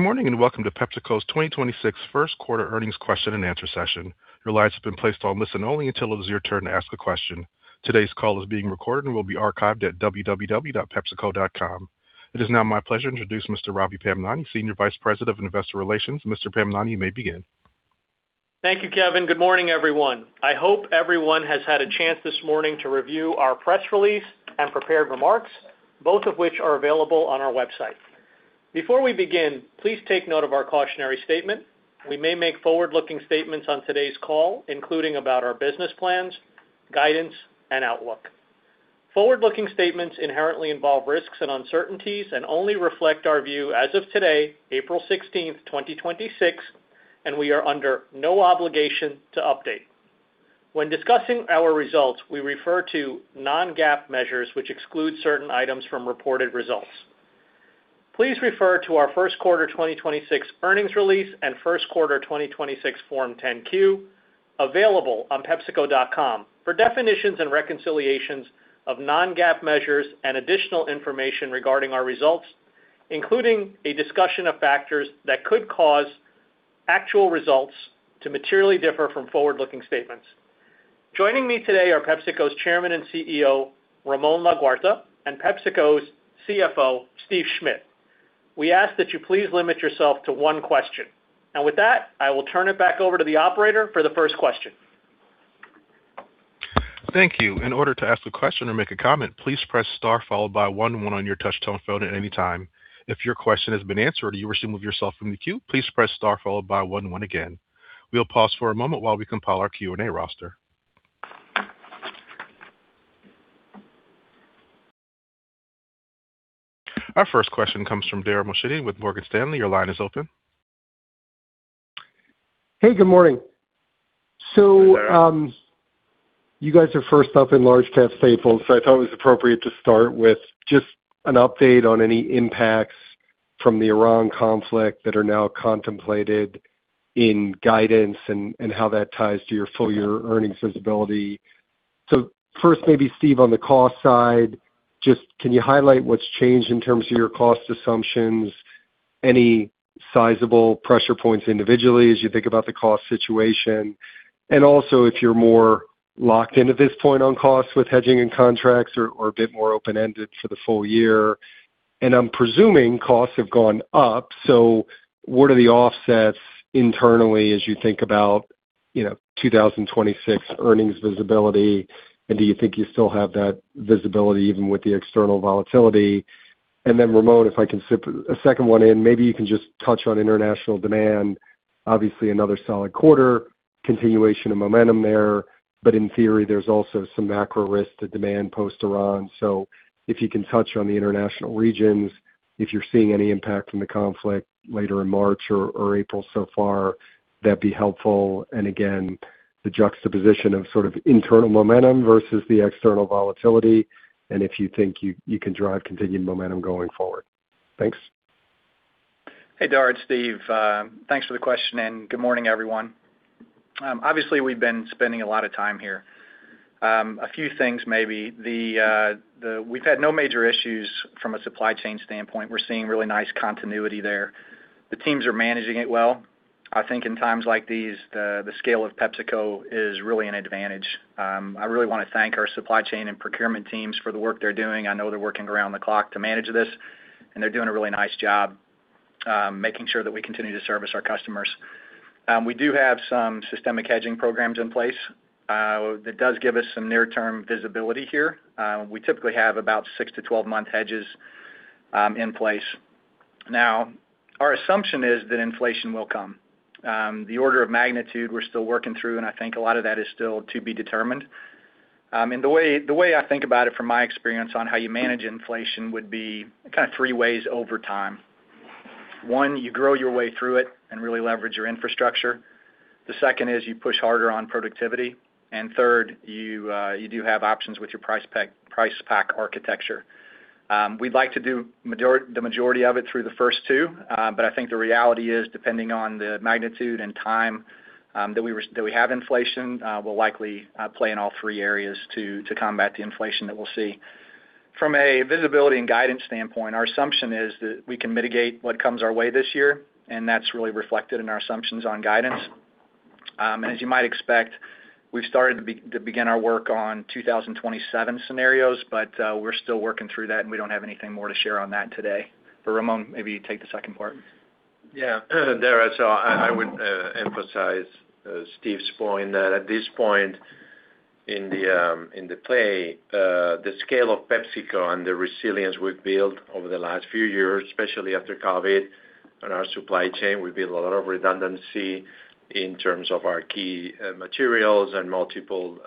Good morning, and welcome to PepsiCo's 2026 first quarter earnings question and answer session. Your lines have been placed on listen only until it is your turn to ask a question. Today's call is being recorded and will be archived at www.pepsico.com. It is now my pleasure to introduce Mr. Ravi Pamnani, Senior Vice President of Investor Relations. Mr. Pamnani, you may begin. Thank you, Kevin. Good morning, everyone. I hope everyone has had a chance this morning to review our press release and prepared remarks, both of which are available on our website. Before we begin, please take note of our cautionary statement. We may make forward-looking statements on today's call, including about our business plans, guidance, and outlook. Forward-looking statements inherently involve risks and uncertainties and only reflect our view as of today, April 16th, 2026, and we are under no obligation to update. When discussing our results, we refer to non-GAAP measures which exclude certain items from reported results. Please refer to our first quarter 2026 earnings release and first quarter 2026 Form 10-Q available on pepsico.com for definitions and reconciliations of non-GAAP measures and additional information regarding our results, including a discussion of factors that could cause actual results to materially differ from forward-looking statements. Joining me today are PepsiCo's Chairman and CEO, Ramon Laguarta, and PepsiCo's CFO, Steve Schmitt. We ask that you please limit yourself to one question. With that, I will turn it back over to the operator for the first question. Thank you. In order to ask a question or make a comment, please press star followed by one one on your touch-tone phone at any time. If your question has been answered or you wish to remove yourself from the queue, please press star followed by one one again. We'll pause for a moment while we compile our Q&A roster. Our first question comes from Dara Mohsenian with Morgan Stanley. Your line is open. Hey, good morning. Hey, Dara. You guys are first up in large cap staples, so I thought it was appropriate to start with just an update on any impacts from the Iran conflict that are now contemplated in guidance and how that ties to your full year earnings visibility. First, maybe Steve, on the cost side, just can you highlight what's changed in terms of your cost assumptions, any sizable pressure points individually as you think about the cost situation, and also if you're more locked in at this point on costs with hedging and contracts or a bit more open-ended for the full year? I'm presuming costs have gone up, so what are the offsets internally as you think about 2026 earnings visibility, and do you think you still have that visibility even with the external volatility? Ramon, if I can slip a second one in, maybe you can just touch on international demand. Obviously another solid quarter, continuation of momentum there. In theory, there's also some macro risk to demand post Iran. If you can touch on the international regions, if you're seeing any impact from the conflict later in March or April so far, that'd be helpful. Again, the juxtaposition of sort of internal momentum versus the external volatility and if you think you can drive continued momentum going forward. Thanks. Hey, Dara, Steve. Thanks for the question and good morning, everyone. Obviously, we've been spending a lot of time here. A few things maybe. We've had no major issues from a supply chain standpoint. We're seeing really nice continuity there. The teams are managing it well. I think in times like these, the scale of PepsiCo is really an advantage. I really want to thank our supply chain and procurement teams for the work they're doing. I know they're working around the clock to manage this, and they're doing a really nice job making sure that we continue to service our customers. We do have some systematic hedging programs in place that does give us some near-term visibility here. We typically have about six to 12-month hedges in place. Now, our assumption is that inflation will come. The order of magnitude we're still working through, and I think a lot of that is still to be determined. The way I think about it from my experience on how you manage inflation would be kind of three ways over time. One, you grow your way through it and really leverage your infrastructure. The second is you push harder on productivity. Third, you do have options with your price pack architecture. We'd like to do the majority of it through the first two, but I think the reality is, depending on the magnitude and time, that we have inflation, we'll likely play in all three areas to combat the inflation that we'll see. From a visibility and guidance standpoint, our assumption is that we can mitigate what comes our way this year, and that's really reflected in our assumptions on guidance. As you might expect, we've started to begin our work on 2027 scenarios, but we're still working through that, and we don't have anything more to share on that today. Ramon, maybe you take the second part. Yeah. Dara Mohsenian, I would emphasize Steve's point that at this point in the plan, the scale of PepsiCo and the resilience we've built over the last few years, especially after COVID on our supply chain, we built a lot of redundancy in terms of our key materials and multiple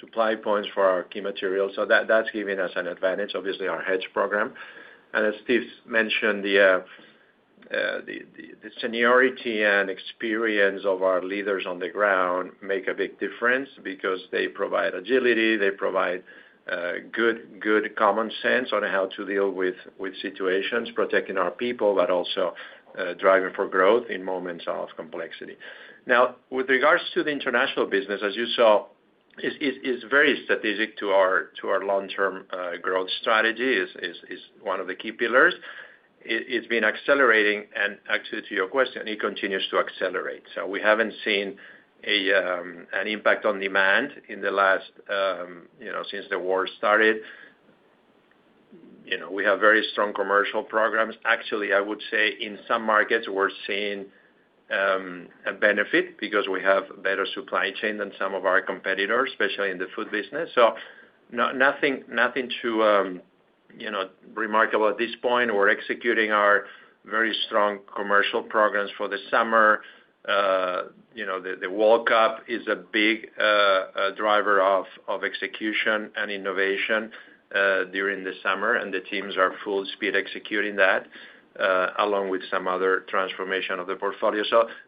supply points for our key materials. That's given us an advantage. Obviously, our hedge program. As Steve mentioned, the seniority and experience of our leaders on the ground make a big difference because they provide agility, they provide good common sense on how to deal with situations, protecting our people, but also driving for growth in moments of complexity. Now, with regards to the international business, as you saw, it is very strategic to our long-term growth strategy. It is one of the key pillars. It's been accelerating, and actually to your question, it continues to accelerate. We haven't seen an impact on demand since the war started. We have very strong commercial programs. Actually, I would say in some markets we're seeing a benefit because we have better supply chain than some of our competitors, especially in the food business. Nothing too remarkable at this point. We're executing our very strong commercial programs for the summer. The World Cup is a big driver of execution and innovation during the summer, and the teams are full speed executing that, along with some other transformation of the portfolio.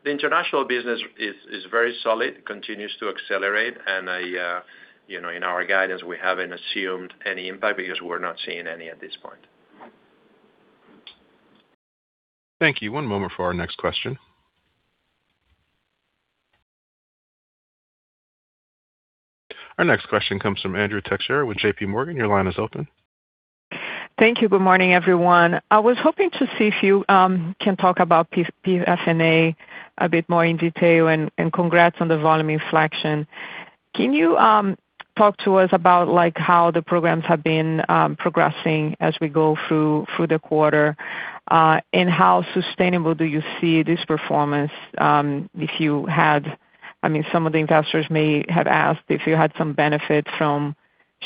The international business is very solid, continues to accelerate, and in our guidance, we haven't assumed any impact because we're not seeing any at this point. Thank you. One moment for our next question. Our next question comes from Andrea Teixeira with JPMorgan. Your line is open. Thank you. Good morning, everyone. I was hoping to see if you can talk about PFNA a bit more in detail, and congrats on the volume inflection. Can you talk to us about how the programs have been progressing as we go through the quarter, and how sustainable do you see this performance? Some of the investors may have asked if you had some benefit from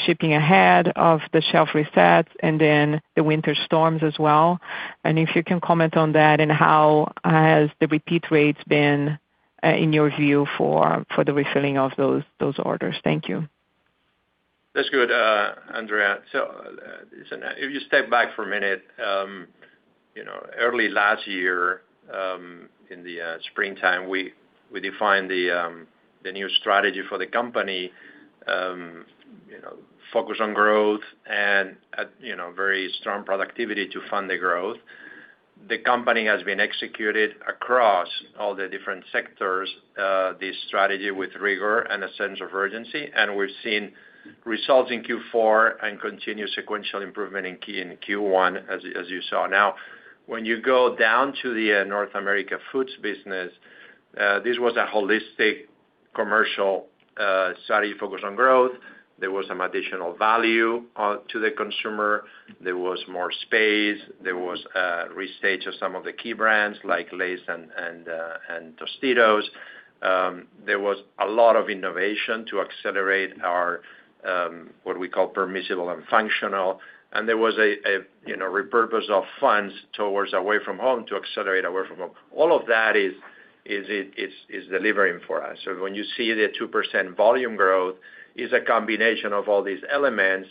shipping ahead of the shelf resets and then the winter storms as well. If you can comment on that and how has the repeat rates been, in your view, for the refilling of those orders. Thank you. That's good, Andrea. If you step back for a minute. Early last year, in the springtime, we defined the new strategy for the company, focus on growth and very strong productivity to fund the growth. The company has been executed across all the different sectors, this strategy with rigor and a sense of urgency, and we're seeing results in Q4 and continued sequential improvement in Q1 as you saw. Now, when you go down to the North America Foods business, this was a holistic commercial study focused on growth. There was some additional value to the consumer. There was more space. There was a restage of some of the key brands like Lay's and Tostitos. There was a lot of innovation to accelerate our, what we call permissible and functional, and there was a repurpose of funds towards Away From Home to accelerate Away From Home. All of that is delivering for us. When you see the 2% volume growth, is a combination of all these elements,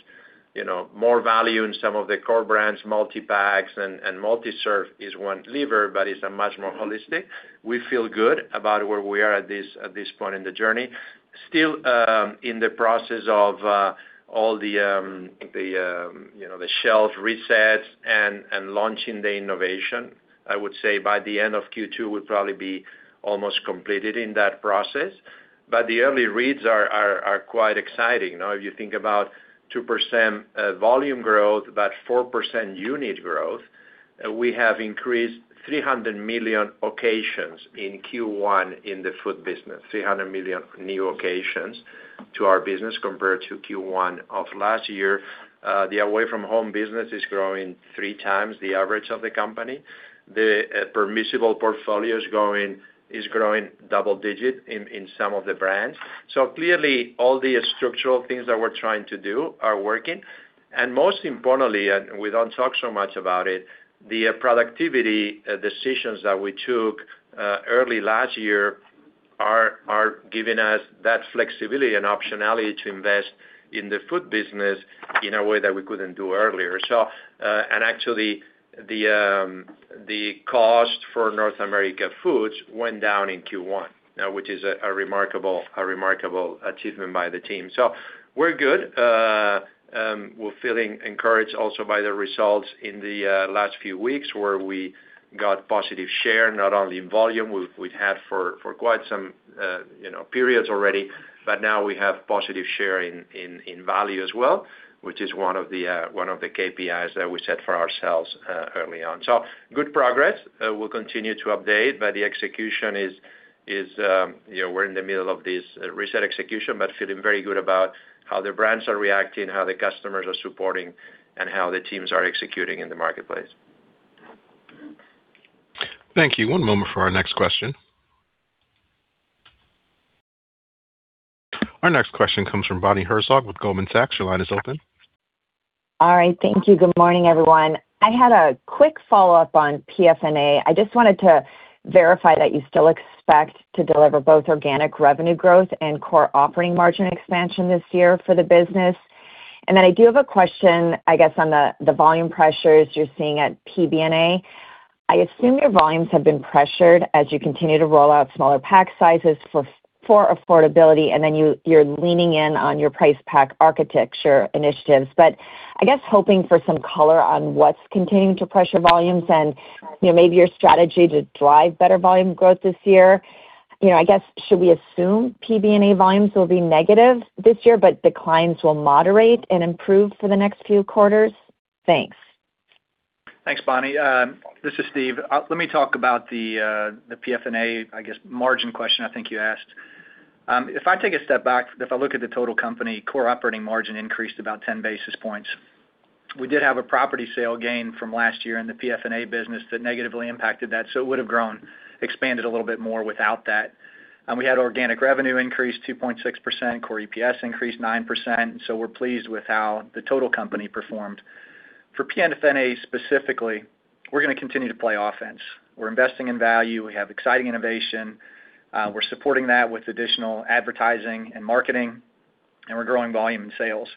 more value in some of the core brands, multi-packs and multi-serve is one lever, but it's much more holistic. We feel good about where we are at this point in the journey. Still in the process of all the shelf resets and launching the innovation. I would say by the end of Q2, we'll probably be almost completed in that process. The early reads are quite exciting. Now, if you think about 2% volume growth, about 4% unit growth, we have increased 300 million occasions in Q1 in the food business, 300 million new occasions to our business compared to Q1 of last year. The Away From Home business is growing three times the average of the company. The permissible portfolio is growing double-digit in some of the brands. Clearly all the structural things that we're trying to do are working. Most importantly, and we don't talk so much about it, the productivity decisions that we took early last year are giving us that flexibility and optionality to invest in the food business in a way that we couldn't do earlier. Actually, the cost for Foods North America went down in Q1, which is a remarkable achievement by the team. We're good. We're feeling encouraged also by the results in the last few weeks where we got positive share, not only in volume we've had for quite some periods already, but now we have positive share in value as well, which is one of the KPIs that we set for ourselves early on. Good progress. We'll continue to update, but the execution is we're in the middle of this reset execution, but feeling very good about how the brands are reacting, how the customers are supporting, and how the teams are executing in the marketplace. Thank you. One moment for our next question. Our next question comes from Bonnie Herzog with Goldman Sachs. Your line is open. All right. Thank you. Good morning, everyone. I had a quick follow-up on PFNA. I just wanted to verify that you still expect to deliver both organic revenue growth and core operating margin expansion this year for the business. Then I do have a question, I guess, on the volume pressures you're seeing at PBNA. I assume your volumes have been pressured as you continue to roll out smaller pack sizes for affordability, and then you're leaning in on your price pack architecture initiatives. I guess hoping for some color on what's continuing to pressure volumes and maybe your strategy to drive better volume growth this year. I guess, should we assume PBNA volumes will be negative this year, but declines will moderate and improve for the next few quarters? Thanks. Thanks, Bonnie. This is Steve. Let me talk about the PFNA, I guess, margin question I think you asked. If I take a step back, if I look at the total company, core operating margin increased about 10 basis points. We did have a property sale gain from last year in the PFNA business that negatively impacted that. It would've grown, expanded a little bit more without that. We had organic revenue increase 2.6%, core EPS increased 9%, so we're pleased with how the total company performed. For PFNA specifically, we're going to continue to play offense. We're investing in value. We have exciting innovation. We're supporting that with additional advertising and marketing, and we're growing volume in sales.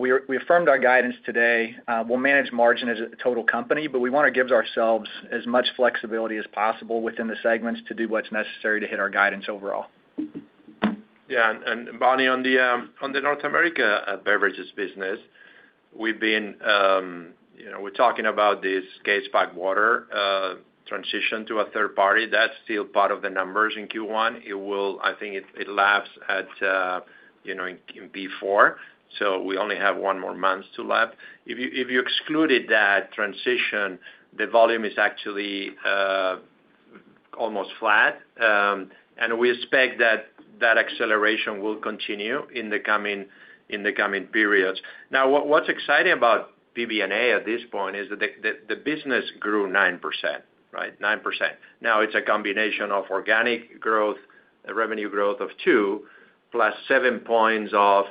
We affirmed our guidance today. We'll manage margin as a total company, but we want to give ourselves as much flexibility as possible within the segments to do what's necessary to hit our guidance overall. Yeah, Bonnie, on the North America beverages business, we're talking about this case pack water transition to a third party. That's still part of the numbers in Q1. I think it laps in Q4, so we only have one more month to lap. If you excluded that transition, the volume is actually almost flat. We expect that acceleration will continue in the coming periods. Now, what's exciting about PBNA at this point is that the business grew 9%. Now, it's a combination of organic growth, a revenue growth of 2%, plus 7 points of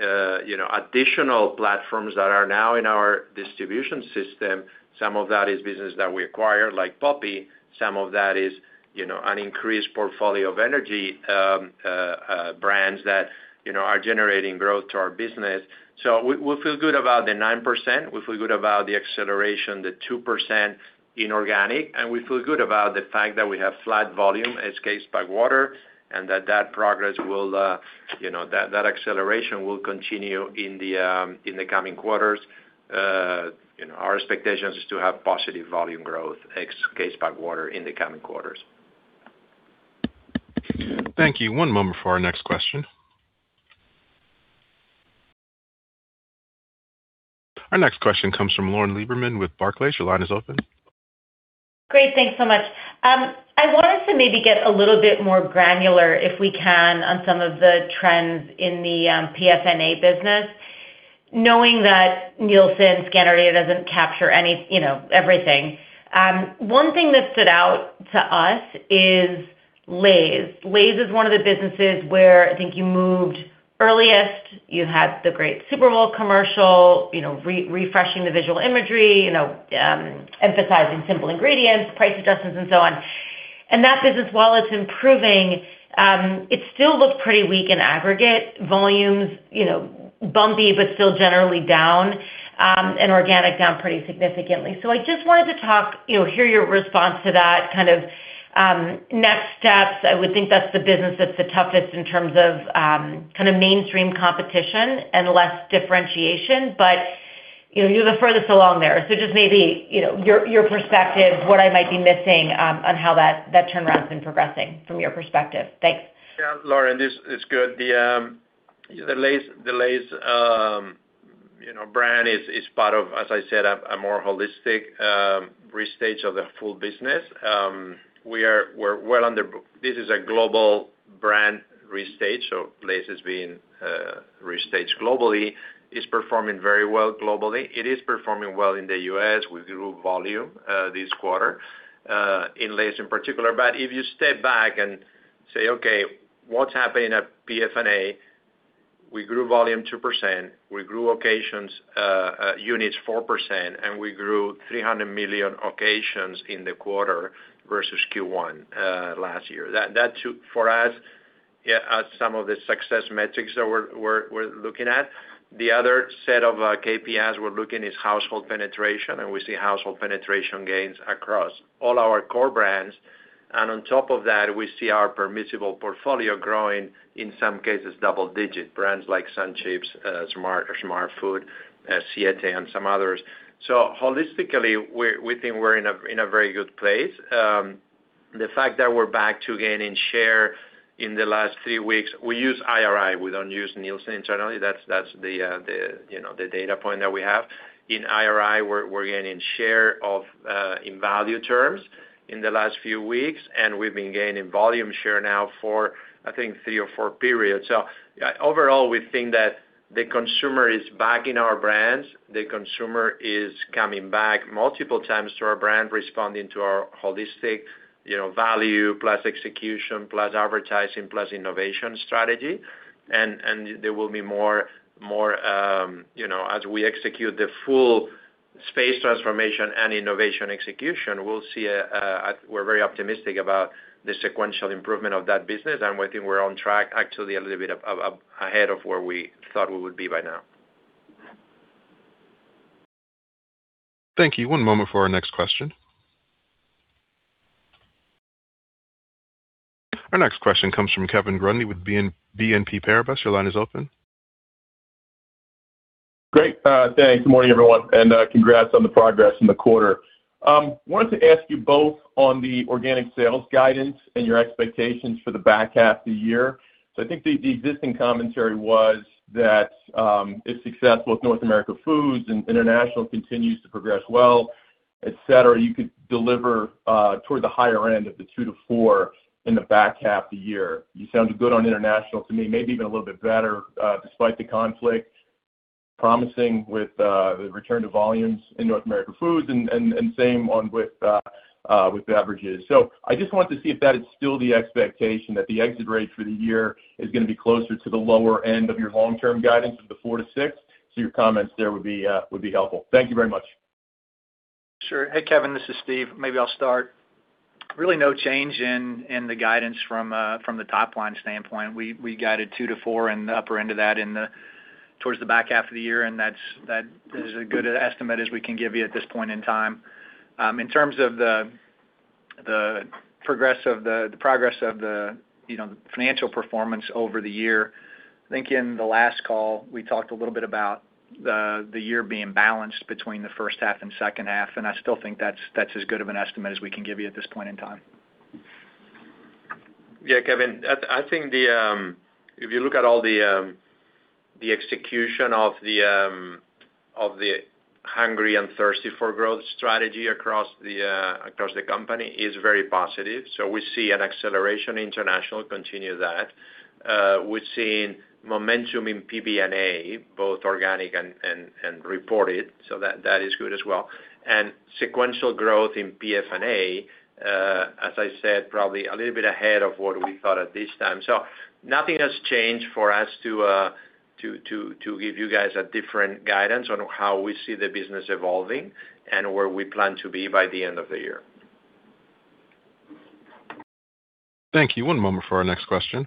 additional platforms that are now in our distribution system. Some of that is business that we acquired, like poppi. Some of that is an increased portfolio of energy brands that are generating growth to our business. We feel good about the 9%. We feel good about the acceleration, the 2% inorganic, and we feel good about the fact that we have flat volume ex case pack water, and that progress, that acceleration will continue in the coming quarters. Our expectation is to have positive volume growth ex case pack water in the coming quarters. Thank you. One moment for our next question. Our next question comes from Lauren Lieberman with Barclays. Your line is open. Great. Thanks so much. I wanted to maybe get a little bit more granular, if we can, on some of the trends in the PFNA business, knowing that Nielsen scanner data doesn't capture everything. One thing that stood out to us is Lay's. Lay's is one of the businesses where I think you moved earliest. You had the great Super Bowl commercial, refreshing the visual imagery, emphasizing simple ingredients, price adjustments, and so on. That business, while it's improving, it still looked pretty weak in aggregate volumes, bumpy, but still generally down, and organic down pretty significantly. I just wanted to hear your response to that, kind of next steps. I would think that's the business that's the toughest in terms of kind of mainstream competition and less differentiation. You're the furthest along there. Just maybe your perspective, what I might be missing on how that turnaround's been progressing from your perspective. Thanks. Yeah, Lauren, this is good. The Lay's brand is part of, as I said, a more holistic restage of the full business. This is a global brand restage, so Lay's is being restaged globally. It's performing very well globally. It is performing well in the US. We grew volume this quarter in Lay's in particular. If you step back and say, okay, what's happening at PFNA? We grew volume 2%, we grew occasions units 4%, and we grew 300 million occasions in the quarter versus Q1 last year. That, for us, are some of the success metrics that we're looking at. The other set of KPIs we're looking is household penetration, and we see household penetration gains across all our core brands. On top of that, we see our permissible portfolio growing, in some cases, double digit, brands like SunChips, Smartfood, Siete, and some others. Holistically, we think we're in a very good place. The fact that we're back to gaining share in the last three weeks, we use IRI, we don't use Nielsen internally. That's the data point that we have. In IRI, we're gaining share in value terms in the last few weeks, and we've been gaining volume share now for, I think, three or four periods. Overall, we think that the consumer is backing our brands. The consumer is coming back multiple times to our brand, responding to our holistic value, plus execution, plus advertising, plus innovation strategy. There will be more as we execute the full space transformation and innovation execution. We're very optimistic about the sequential improvement of that business, and we think we're on track, actually a little bit ahead of where we thought we would be by now. Thank you. One moment for our next question. Our next question comes from Kevin Grundy with BNP Paribas. Your line is open. Great. Thanks. Good morning, everyone, and congrats on the progress in the quarter. I wanted to ask you both on the organic sales guidance and your expectations for the back half of the year. I think the existing commentary was that if successful with North America Foods and International continues to progress well, you could deliver toward the higher end of the 2%-4% in the back half of the year. You sounded good on International to me, maybe even a little bit better, despite the conflict. Promising with the return to volumes in North America Foods, and same with beverages. I just wanted to see if that is still the expectation, that the exit rate for the year is going to be closer to the lower end of your long-term guidance of the 4%-6%. Your comments there would be helpful. Thank you very much. Sure. Hey, Kevin, this is Steve. Maybe I'll start. Really no change in the guidance from the top-line standpoint. We guided 2%-4% in the upper end of that towards the back half of the year, and that is as good an estimate as we can give you at this point in time. In terms of the progress of the financial performance over the year, I think in the last call, we talked a little bit about the year being balanced between the first half and second half, and I still think that's as good an estimate as we can give you at this point in time. Yeah, Kevin. I think if you look at all the execution of the hungry and thirsty for growth strategy across the company is very positive. We see an acceleration in international, continue that. We're seeing momentum in PBNA, both organic and reported, so that is good as well. Sequential growth in PFNA, as I said, probably a little bit ahead of what we thought at this time. Nothing has changed for us to give you guys a different guidance on how we see the business evolving and where we plan to be by the end of the year. Thank you. One moment for our next question.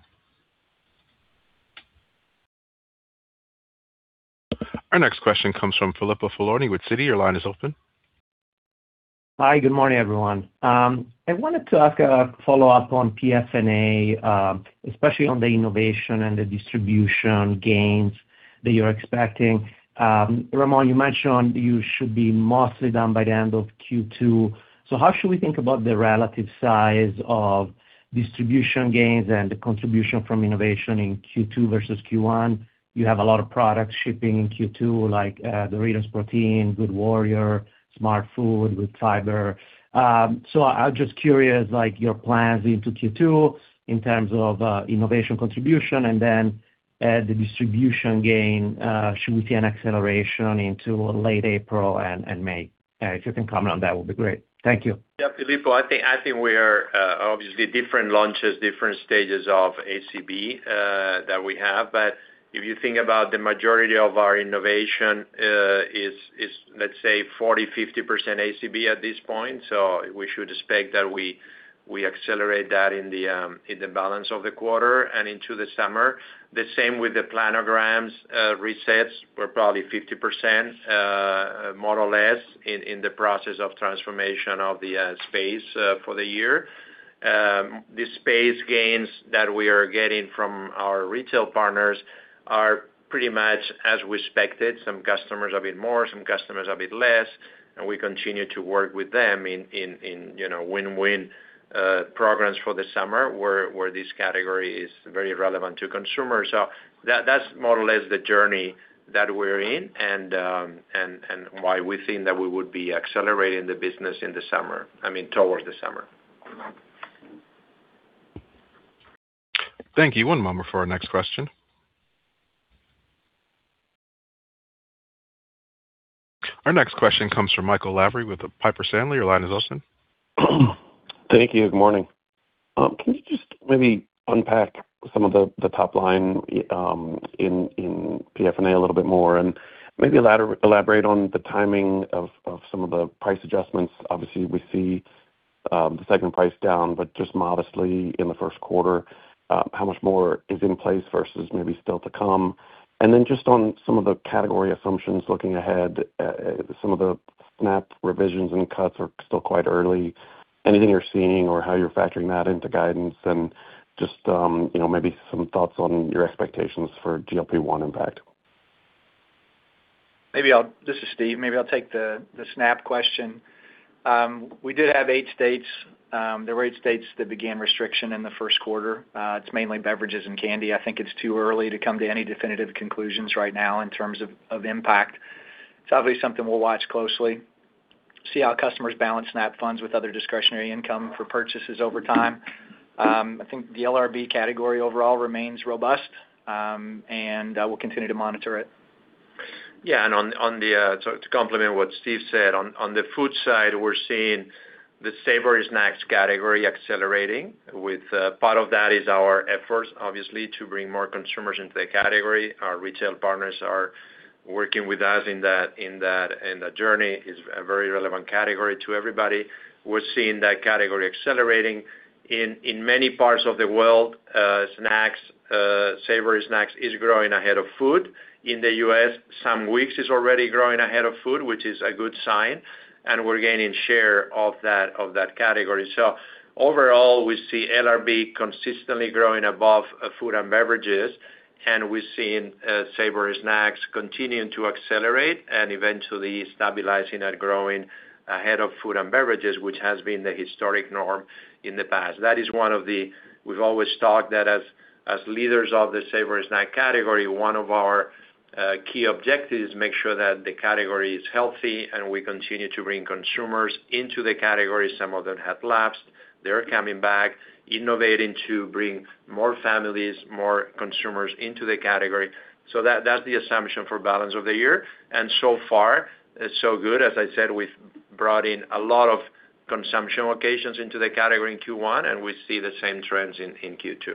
Our next question comes from Filippo Falorni with Citi. Your line is open. Hi, good morning, everyone. I wanted to ask a follow-up on PFNA, especially on the innovation and the distribution gains that you're expecting. Ramon, you mentioned you should be mostly done by the end of Q2. How should we think about the relative size of distribution gains and the contribution from innovation in Q2 versus Q1? You have a lot of products shipping in Q2, like the Doritos Protein, Good Warrior, Smartfood with fiber. I'm just curious, your plans into Q2 in terms of innovation contribution and then the distribution gain. Should we see an acceleration into late April and May? If you can comment on that, it would be great. Thank you. Yeah, Filippo. I think we are, obviously, different launches, different stages of ACV that we have. If you think about the majority of our innovation is let's say 40%-50% ACV at this point. We should expect that we accelerate that in the balance of the quarter and into the summer. The same with the planograms resets. We're probably 50%, more or less, in the process of transformation of the space for the year. The space gains that we are getting from our retail partners are pretty much as we expected. Some customers a bit more, some customers a bit less, and we continue to work with them in win-win programs for the summer, where this category is very relevant to consumers. That's more or less the journey that we're in and why we think that we would be accelerating the business in the summer, I mean, towards the summer. Thank you. One moment for our next question. Our next question comes from Michael Lavery with Piper Sandler. Your line is open. Thank you. Good morning. Can you just maybe unpack some of the top line in PFNA a little bit more and maybe elaborate on the timing of some of the price adjustments? Obviously, we see the segment price down, but just modestly in the first quarter. How much more is in place versus maybe still to come? Just on some of the category assumptions looking ahead, some of the SNAP revisions and cuts are still quite early. Anything you're seeing or how you're factoring that into guidance and just maybe some thoughts on your expectations for GLP-1 impact. This is Steve. Maybe I'll take the SNAP question. We did have eight states. There were eight states that began restriction in the first quarter. It's mainly beverages and candy. I think it's too early to come to any definitive conclusions right now in terms of impact. It's obviously something we'll watch closely, see how customers balance SNAP funds with other discretionary income for purchases over time. I think the LRB category overall remains robust, and we'll continue to monitor it. Yeah, to complement what Steve said, on the food side, we're seeing the savory snacks category accelerating. Part of that is our efforts, obviously, to bring more consumers into the category. Our retail partners are working with us in the journey. It's a very relevant category to everybody. We're seeing that category accelerating in many parts of the world. Savory snacks is growing ahead of food. In the U.S., some weeks it's already growing ahead of food, which is a good sign, and we're gaining share of that category. Overall, we see LRB consistently growing above food and beverages, and we're seeing savory snacks continuing to accelerate and eventually stabilizing and growing ahead of food and beverages, which has been the historic norm in the past. We've always thought that as leaders of the savory snack category, one of our key objectives is to make sure that the category is healthy, and we continue to bring consumers into the category. Some of them have lapsed. They're coming back, innovating to bring more families, more consumers into the category. That's the assumption for the balance of the year. So far, it's so good. As I said, we've brought in a lot of consumption locations into the category in Q1, and we see the same trends in Q2.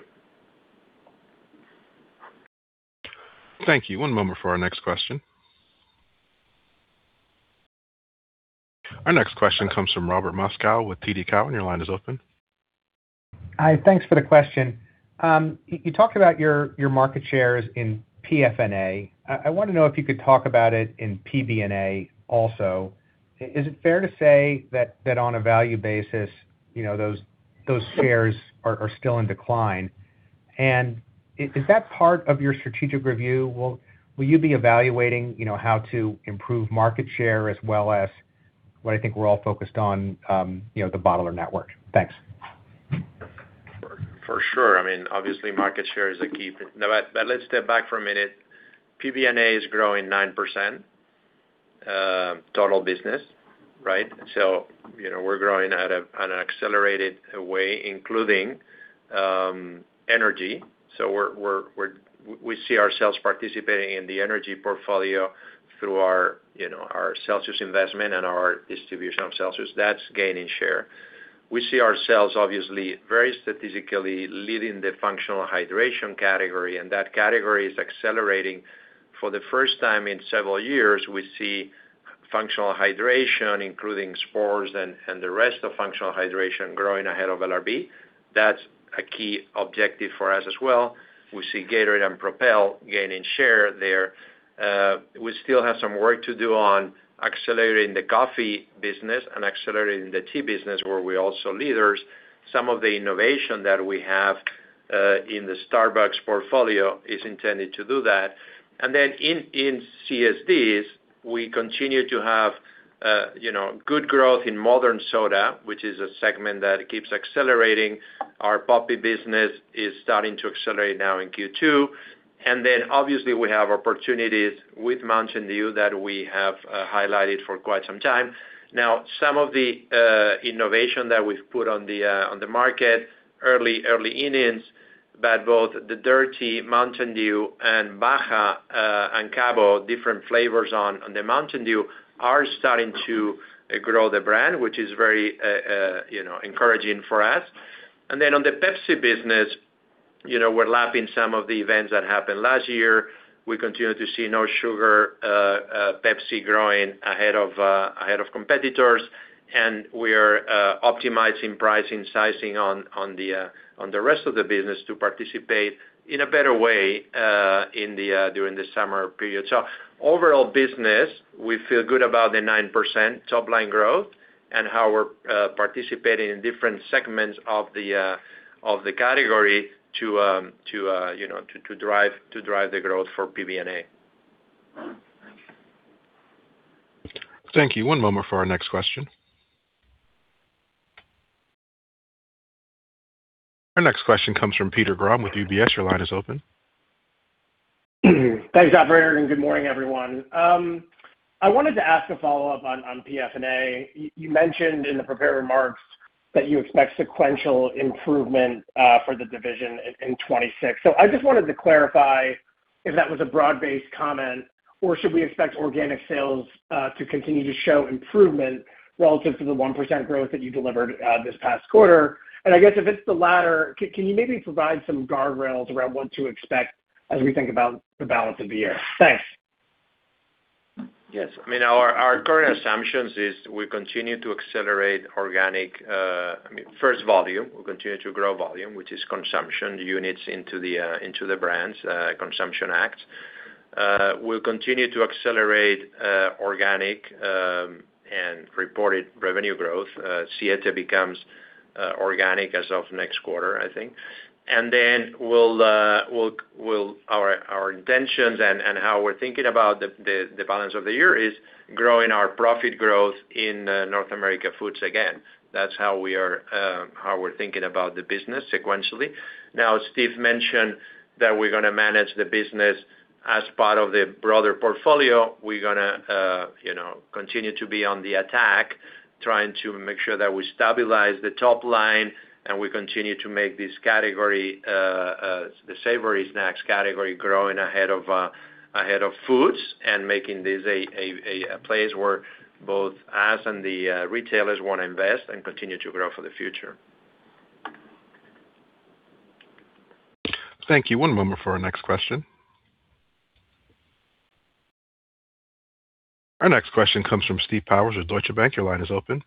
Thank you. One moment for our next question. Our next question comes from Robert Moskow with TD Cowen. Your line is open. Hi, thanks for the question. You talked about your market shares in PFNA. I want to know if you could talk about it in PBNA also. Is it fair to say that on a value basis, those shares are still in decline? Is that part of your strategic review? Will you be evaluating how to improve market share as well as what I think we're all focused on, the bottler network? Thanks. For sure. Obviously, market share is a key. Let's step back for a minute. PBNA is growing 9% total business. We're growing at an accelerated way, including energy. We see ourselves participating in the energy portfolio through our Celsius investment and our distribution of Celsius. That's gaining share. We see ourselves, obviously, very substantially leading the functional hydration category, and that category is accelerating. For the first time in several years, we see functional hydration, including sports and the rest of functional hydration growing ahead of LRB. That's a key objective for us as well. We see Gatorade and Propel gaining share there. We still have some work to do on accelerating the coffee business and accelerating the tea business, where we're also leaders. Some of the innovation that we have in the Starbucks portfolio is intended to do that. In CSDs, we continue to have good growth in modern soda, which is a segment that keeps accelerating. Our poppi business is starting to accelerate now in Q2. Obviously, we have opportunities with Mountain Dew that we have highlighted for quite some time. Now, some of the innovation that we've put on the market early innings, but both the Dirty Mountain Dew and Baja and Cabo, different flavors on the Mountain Dew, are starting to grow the brand, which is very encouraging for us. On the Pepsi business, we're lapping some of the events that happened last year. We continue to see no sugar Pepsi growing ahead of competitors, and we are optimizing pricing, sizing on the rest of the business to participate in a better way during the summer period. Overall business, we feel good about the 9% top-line growth and how we're participating in different segments of the category to drive the growth for PBNA. Thank you. One moment for our next question. Our next question comes from Peter Grom with UBS. Your line is open. Thanks, operator, and good morning, everyone. I wanted to ask a follow-up on PFNA. You mentioned in the prepared remarks that you expect sequential improvement for the division in 2026. I just wanted to clarify if that was a broad-based comment, or should we expect organic sales to continue to show improvement relative to the 1% growth that you delivered this past quarter? I guess if it's the latter, can you maybe provide some guardrails around what to expect as we think about the balance of the year? Thanks. Yes. Our current assumptions is we continue to accelerate organic. First volume, we'll continue to grow volume, which is consumption units into the brands, consumption act. We'll continue to accelerate organic and reported revenue growth. Siete becomes organic as of next quarter, I think. Our intentions and how we're thinking about the balance of the year is growing our profit growth in North America Foods again. That's how we're thinking about the business sequentially. Now, Steve mentioned that we're going to manage the business as part of the broader portfolio. We're going to continue to be on the attack, trying to make sure that we stabilize the top line and we continue to make this category, the savory snacks category, growing ahead of foods and making this a place where both us and the retailers want to invest and continue to grow for the future. Thank you. One moment for our next question. Our next question comes from Steve Powers with Deutsche Bank. Your line is open.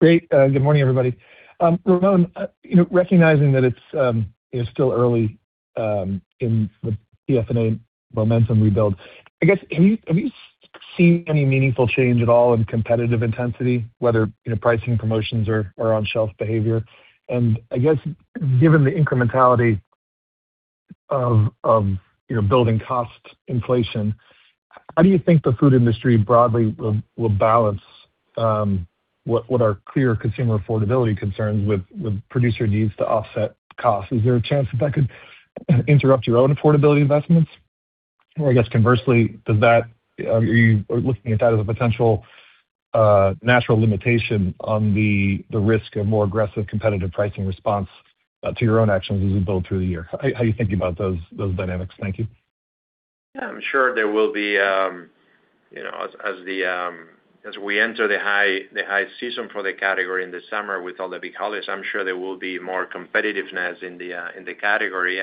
Great. Good morning, everybody. Ramon, recognizing that it's still early in the PFNA momentum rebuild, I guess, have you seen any meaningful change at all in competitive intensity, whether pricing promotions or on-shelf behavior? I guess, given the incrementality of your building cost inflation, how do you think the food industry broadly will balance what are clear consumer affordability concerns with producer needs to offset costs? Is there a chance that could interrupt your own affordability investments? I guess conversely, are you looking at that as a potential A natural limitation on the risk of more aggressive competitive pricing response to your own actions as you build through the year. How are you thinking about those dynamics? Thank you. Yeah, I'm sure there will be, as we enter the high season for the category in the summer with all the big holidays. I'm sure there will be more competitiveness in the category.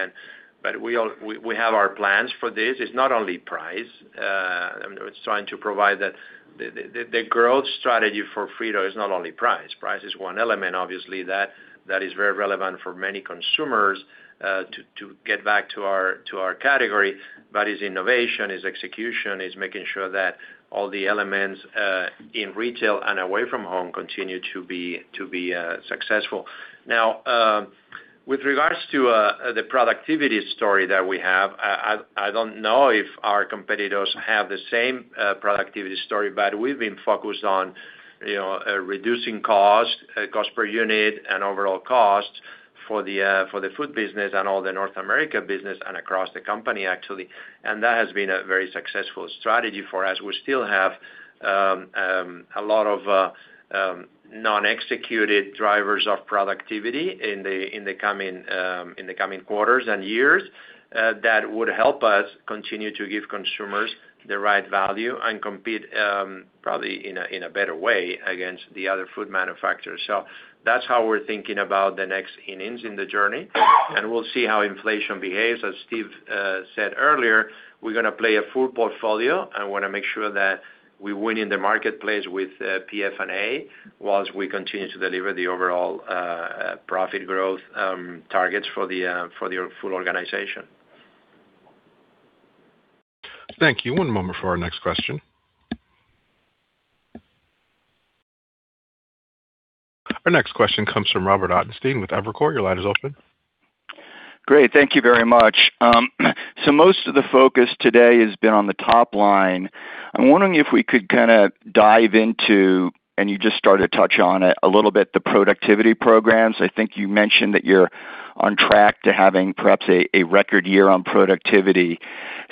We have our plans for this. It's not only price. It's trying to provide the growth strategy for Frito-Lay is not only price. Price is one element, obviously, that is very relevant for many consumers to get back to our category. It's innovation, it's execution, it's making sure that all the elements in retail and away from home continue to be successful. Now, with regards to the productivity story that we have, I don't know if our competitors have the same productivity story, but we've been focused on reducing cost per unit and overall cost for the food business and all the North America business and across the company, actually. That has been a very successful strategy for us. We still have a lot of non-executed drivers of productivity in the coming quarters and years that would help us continue to give consumers the right value and compete, probably in a better way against the other food manufacturers. That's how we're thinking about the next innings in the journey, and we'll see how inflation behaves. As Steve said earlier, we're going to play a full portfolio and want to make sure that we win in the marketplace with PFNA whilst we continue to deliver the overall profit growth targets for the full organization. Thank you. One moment for our next question. Our next question comes from Robert Ottenstein with Evercore. Your line is open. Great. Thank you very much. Most of the focus today has been on the top line. I'm wondering if we could kind of dive into, and you just started to touch on it a little bit, the productivity programs. I think you mentioned that you're on track to having perhaps a record year on productivity.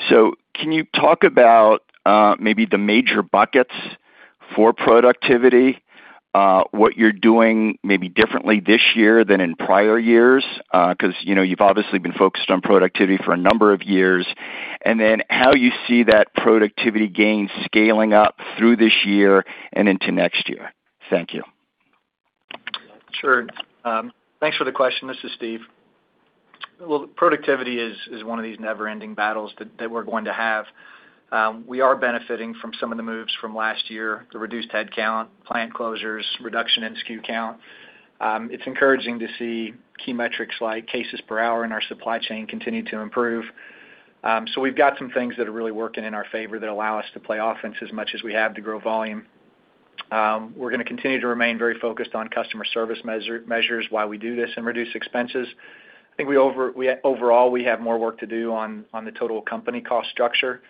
Can you talk about maybe the major buckets for productivity, what you're doing maybe differently this year than in prior years? Because you've obviously been focused on productivity for a number of years, and then how you see that productivity gain scaling up through this year and into next year. Thank you. Sure. Thanks for the question. This is Steve. Well, productivity is one of these never-ending battles that we're going to have. We are benefiting from some of the moves from last year, the reduced headcount, plant closures, reduction in SKU count. It's encouraging to see key metrics like cases per hour in our supply chain continue to improve. We've got some things that are really working in our favor that allow us to play offense as much as we have to grow volume. We're going to continue to remain very focused on customer service measures while we do this and reduce expenses. I think overall, we have more work to do on the total company cost structure.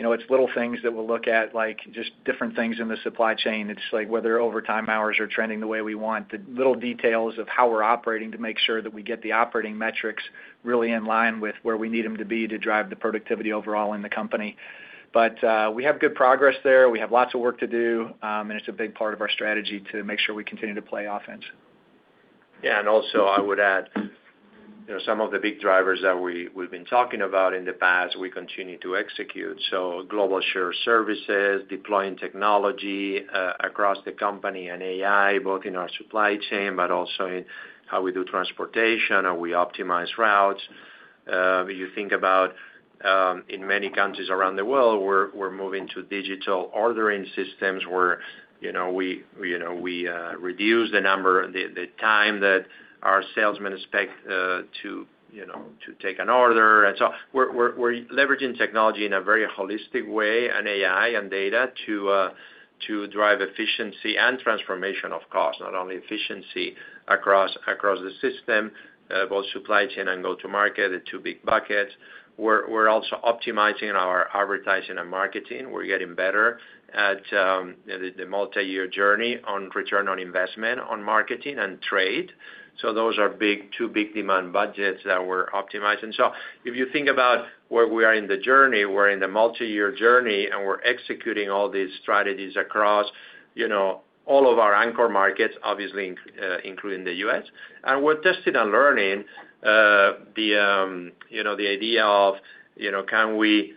It's little things that we'll look at, like just different things in the supply chain. It's like whether overtime hours are trending the way we want, the little details of how we're operating to make sure that we get the operating metrics really in line with where we need them to be to drive the productivity overall in the company. We have good progress there. We have lots of work to do, and it's a big part of our strategy to make sure we continue to play offense. Yeah, also I would add, some of the big drivers that we've been talking about in the past, we continue to execute. Global shared services, deploying technology across the company, and AI, both in our supply chain, but also in how we do transportation and we optimize routes. You think about in many countries around the world, we're moving to digital ordering systems where we reduce the time that our salesmen spend to take an order. We're leveraging technology in a very holistic way and AI and data to drive efficiency and cost transformation, not only efficiency across the system. Both supply chain and go-to-market are two big buckets. We're also optimizing our advertising and marketing. We're getting better at the multi-year journey on return on investment on marketing and trade. Those are two big demand budgets that we're optimizing. If you think about where we are in the journey, we're in the multi-year journey, and we're executing all these strategies across all of our anchor markets, obviously including the U.S. We're testing and learning the idea of can we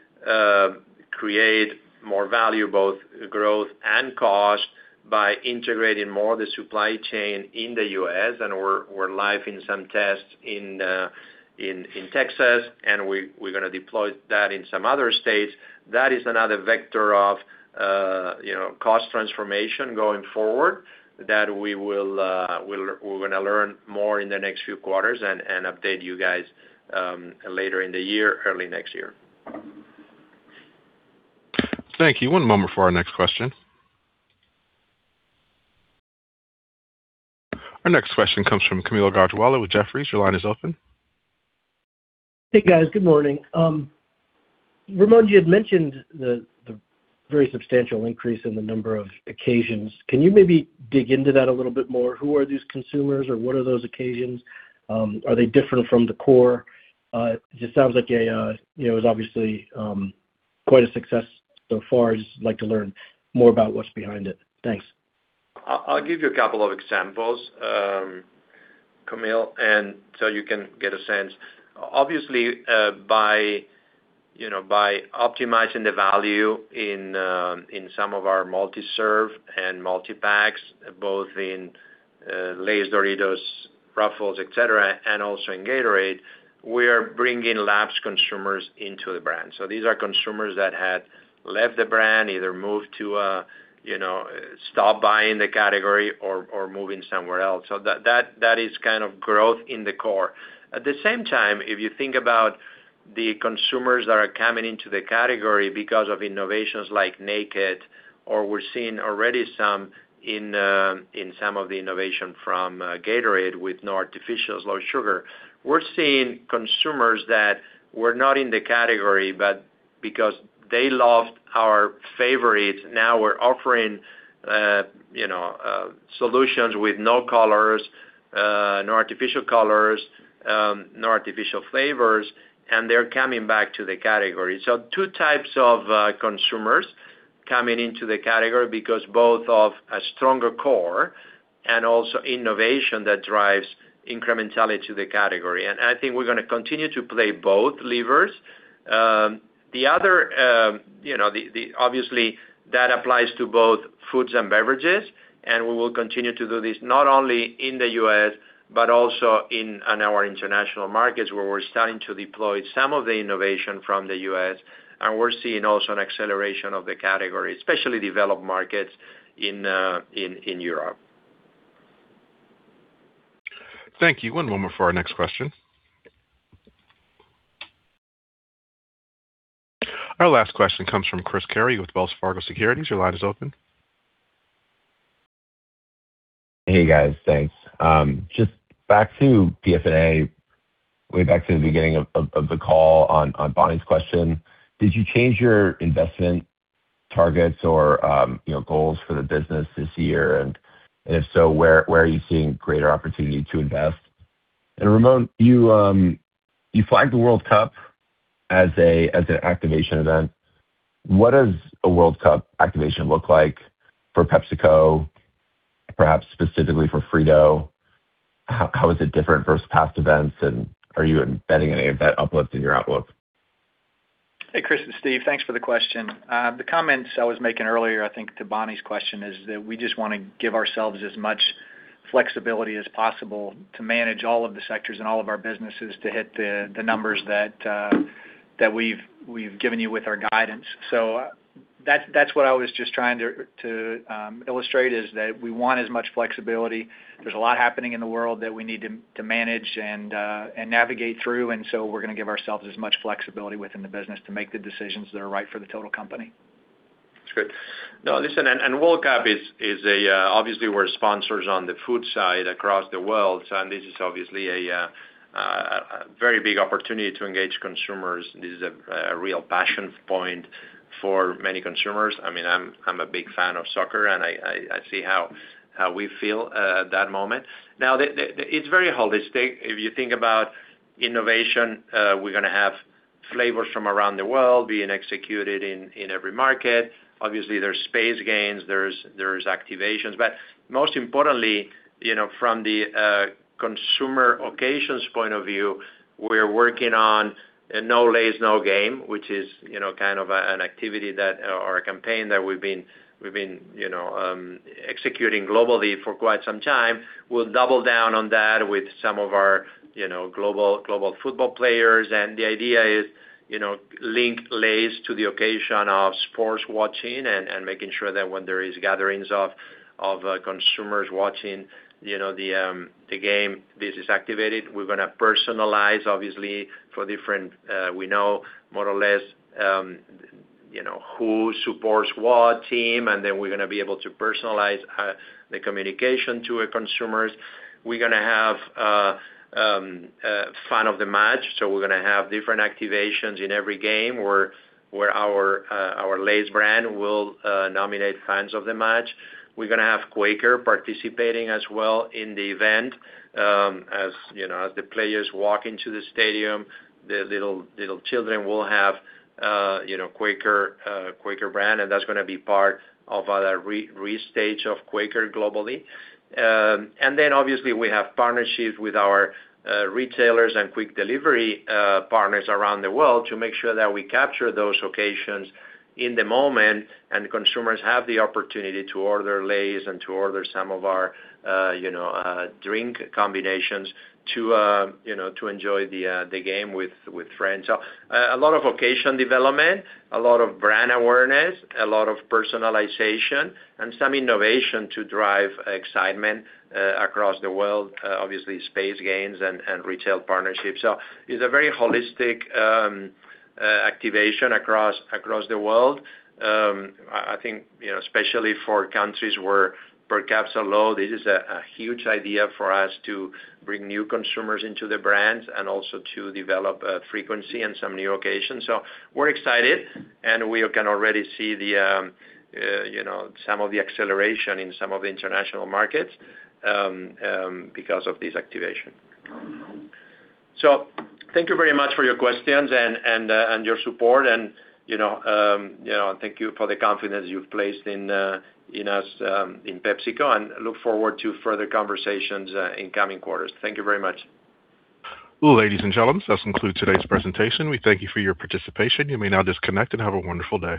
create more value, both growth and cost, by integrating more of the supply chain in the U.S. and we're live in some tests in Texas, and we're going to deploy that in some other states. That is another vector of cost transformation going forward that we're going to learn more in the next few quarters and update you guys later in the year, early next year. Thank you. One moment for our next question. Our next question comes from Kaumil Gajrawala with Jefferies. Your line is open. Hey, guys. Good morning. Ramon, you had mentioned the very substantial increase in the number of occasions. Can you maybe dig into that a little bit more? Who are these consumers or what are those occasions? Are they different from the core? It just sounds like it was obviously quite a success so far. I'd just like to learn more about what's behind it. Thanks. I'll give you a couple of examples, Kaumil, and so you can get a sense. Obviously, by optimizing the value in some of our multi-serve and multi-packs, both in Lay's, Doritos, Ruffles, etcetera, and also in Gatorade, we are bringing lapsed consumers into the brand. These are consumers that had left the brand, either stopped buying the category or are moving somewhere else. That is kind of growth in the core. At the same time, if you think about the consumers that are coming into the category because of innovations like Naked, or we're seeing already some in some of the innovation from Gatorade with no artificials, low sugar. We're seeing consumers that were not in the category, but because they loved our favorites, now we're offering solutions with no colors, no artificial colors, no artificial flavors, and they're coming back to the category. Two types of consumers coming into the category because both of a stronger core and also innovation that drives incrementality to the category. I think we're going to continue to play both levers. Obviously, that applies to both foods and beverages, and we will continue to do this not only in the U.S., but also in our international markets, where we're starting to deploy some of the innovation from the U.S. We're seeing also an acceleration of the category, especially developed markets in Europe. Thank you. One moment for our next question. Our last question comes from Chris Carey with Wells Fargo Securities. Your line is open. Hey, guys. Thanks. Just back to PFNA, way back to the beginning of the call on Bonnie's question, did you change your investment targets or goals for the business this year? And if so, where are you seeing greater opportunity to invest? And Ramon, you flagged the World Cup as an activation event. What does a World Cup activation look like for PepsiCo, perhaps specifically for Frito-Lay? How is it different versus past events, and are you embedding any of that uplift in your outlook? Hey, Chris it's Steve. Thanks for the question. The comments I was making earlier, I think to Bonnie's question, is that we just want to give ourselves as much flexibility as possible to manage all of the sectors and all of our businesses to hit the numbers that we've given you with our guidance. That's what I was just trying to illustrate, is that we want as much flexibility. There's a lot happening in the world that we need to manage and navigate through, and so we're going to give ourselves as much flexibility within the business to make the decisions that are right for the total company. That's great. No, listen, World Cup, obviously we're sponsors on the food side across the world, and this is obviously a very big opportunity to engage consumers. This is a real passion point for many consumers. I'm a big fan of soccer, and I see how we feel at that moment. Now, it's very holistic. If you think about innovation, we're going to have flavors from around the world being executed in every market. Obviously, there's space gains, there's activations. Most importantly, from the consumer occasions point of view, we're working on No Lay's, No Game, which is kind of an activity or a campaign that we've been executing globally for quite some time. We'll double down on that with some of our global football players. The idea is to link Lay's to the occasion of sports watching and making sure that when there is gatherings of consumers watching the game, this is activated. We're going to personalize, obviously, for different. We know more or less who supports what team, and then we're going to be able to personalize the communication to our consumers. We're going to have fan of the match. We're going to have different activations in every game, where our Lay's brand will nominate fans of the match. We're going to have Quaker participating as well in the event. As the players walk into the stadium, the little children will have Quaker brand, and that's going to be part of a re-stage of Quaker globally. Obviously we have partnerships with our retailers and quick delivery partners around the world to make sure that we capture those occasions in the moment, and consumers have the opportunity to order Lay's and to order some of our drink combinations to enjoy the game with friends. A lot of occasion development, a lot of brand awareness, a lot of personalization, and some innovation to drive excitement across the world, obviously space gains and retail partnerships. It's a very holistic activation across the world. I think especially for countries where per capita low, this is a huge idea for us to bring new consumers into the brands and also to develop frequency and some new occasions. We're excited, and we can already see some of the acceleration in some of the international markets because of this activation. Thank you very much for your questions and your support, and thank you for the confidence you've placed in us, in PepsiCo, and we look forward to further conversations in coming quarters. Thank you very much. Ladies and gentlemen, this concludes today's presentation. We thank you for your participation. You may now disconnect and have a wonderful day.